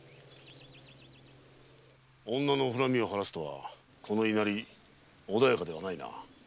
女の恨みを晴らすとはこの稲荷穏やかではないな。